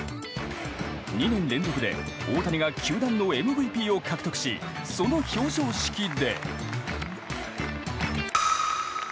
２年連続で大谷が球団のＭＶＰを獲得しその表彰式で。